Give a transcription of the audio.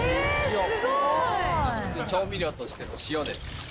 調味料としての塩です。